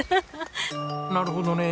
なるほどね。